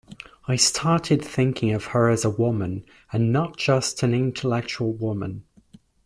I started thinking of her as a woman, and not just an intellectual woman.